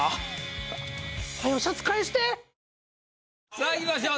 さあいきましょう。